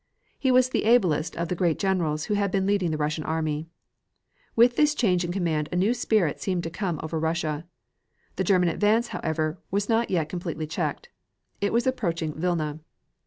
He was the ablest of the great generals who had been leading the Russian army. With this change in command a new spirit seemed to come over Russia. The German advance, however, was not yet completely checked. It was approaching Vilna.